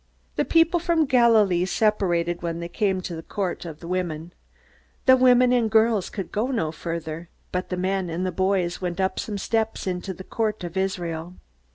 The people from Galilee separated when they came to the Court of the Women. The women and girls could go no farther, but the men and boys went up some steps into the Court of Israel.